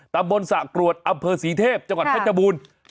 ตำบลสระกรวดอำเภอศรีเทพจังหวัดเพชรบูรณ์